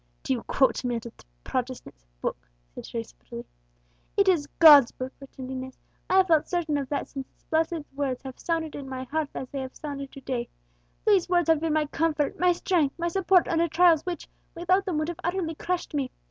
"Do you quote to me out of the Protestant's book?" said Teresa bitterly. "It is God's book," returned Inez; "I have felt certain of that since its blessed words have sounded in my heart as they have sounded to day! These words have been my comfort, my strength, my support under trials which, without them, would have utterly crushed me.